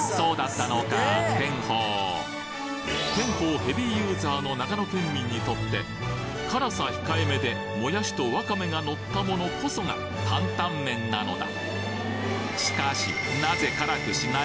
テンホウヘビーユーザーの長野県民にとって辛さ控えめでもやしとわかめがのったものこそがタンタンメンなのだ